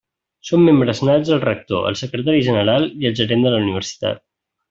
Són membres nats el rector, el secretari general i el gerent de la Universitat.